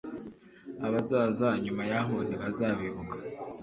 abazaza nyuma yaho ntibazabibuka